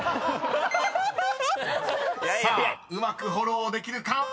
［さあうまくフォローできるか］